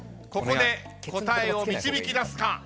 ここで答えを導き出すか？